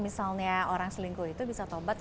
misalnya orang selingkuh itu bisa tobat